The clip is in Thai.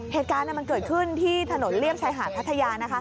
เหตุการณ์มันเกิดขึ้นที่ถนนเลี่ยมชายหาดพัทยา